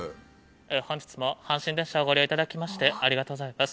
本日も阪神電車をご利用いただきましてありがとうございます。